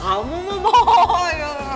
kamu mah boy